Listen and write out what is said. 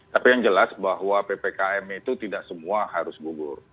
tapi yang jelas bahwa ppkm itu tidak semua harus gugur